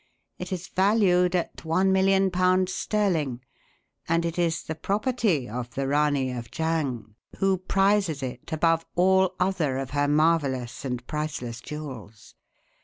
It is valued at one million pounds sterling and is the property of the Ranee of Jhang, who prizes it above all other of her marvellous and priceless jewels.